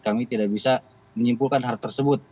kami tidak bisa menyimpulkan hal tersebut